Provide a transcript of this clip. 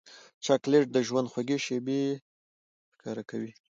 چاکلېټ د ژوند خوږې شېبې ښکاره کوي.